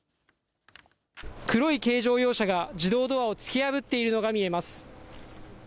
黒い軽乗用車が自動ドアを突き破っているのが見えます。